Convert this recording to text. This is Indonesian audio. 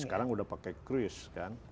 sekarang sudah pakai cruise kan